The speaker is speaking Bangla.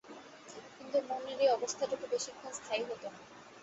কিন্তু মনের এই অবস্থটুকু বেশিক্ষণ স্থায়ী হত না।